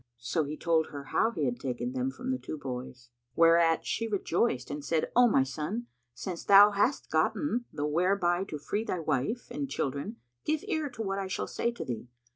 So he told her how he had taken them from the two boys, whereat she rejoiced and said, "O my son, since thou hast gotten the whereby to free thy wife and children, give ear to what I shall say to thee.